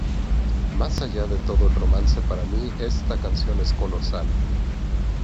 Más allá de todo el romance para mí esta canción es colosal.